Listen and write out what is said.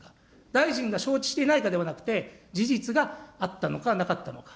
大臣が承知していないかではなくて、事実があったのかなかったのか。